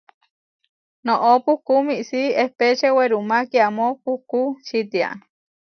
Noʼó puhkú miísi epečé werumá kiamó puhkú čitiá.